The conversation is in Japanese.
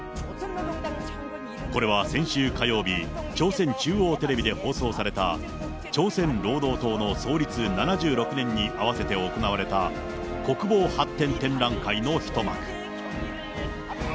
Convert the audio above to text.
これは先週火曜日、朝鮮中央テレビで放送された、朝鮮労働党の創立７６年に合わせて行われた、国防発展展覧会の一幕。